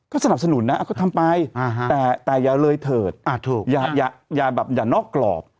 ก็สนับสนุนนะก็ทำไปแต่อย่าเลยเถิดอย่าแบบอย่านอกกรอบ